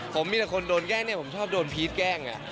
ผมมีแต่คนโดนแกล้งเนี่ยผมชอบโดนพีชแกล้งไง